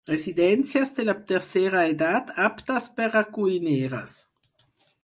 Residències de la tercera edat aptes per a cuineres.